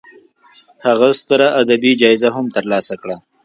هغه ستره ادبي جایزه هم تر لاسه کړه.